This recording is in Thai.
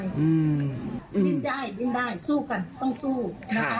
ยิ่งได้ยิ่งได้สู้กันต้องสู้นะคะ